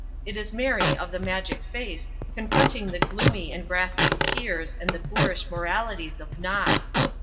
It is Mary of the magic face confronting the gloomy and grasping peers and the boorish moralities of Knox.